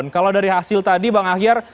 kalau dari hasil tadi bang ahyar